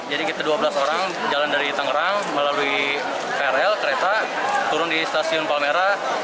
jadi kita dua belas orang jalan dari tangerang melalui vrl kereta turun di stasiun palmera